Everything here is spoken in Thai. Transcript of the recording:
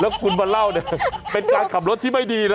แล้วคุณมาเล่าเนี่ยเป็นการขับรถที่ไม่ดีนะ